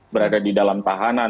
berada di dalam tahanan